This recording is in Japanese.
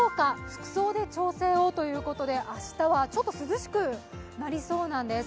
服装で調整をということで、明日はちょっと涼しくなりそうなんです。